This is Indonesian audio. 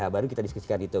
baru kita diskusikan itu